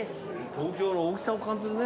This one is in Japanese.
東京の大きさを感じるね。